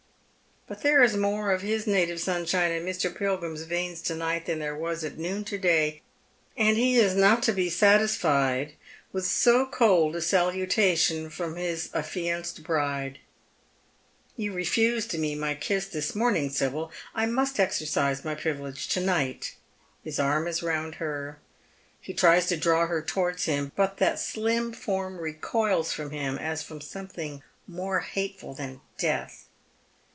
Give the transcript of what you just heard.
But there is more of liis native sunshine in Mr. Pilgrim's veins to night than there was at noon to day, and he is not to be satisfied with so cold a salutation from his affianced bride. " You refused me my kiss this morning, Sibyl. I must exercise my privilege to night." His arm is round her, he tries to draw her towards him, but that slim form recoils from him as from something more hateful than death.